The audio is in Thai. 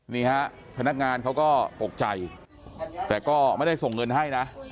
นี่ฮะพนักงานเขาก็ตกใจแต่ก็ไม่ได้ส่งเงินให้นะ